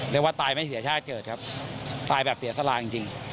เรียกว่าตายไม่เสียชาติเกิดครับตายแบบเสียสลาจริง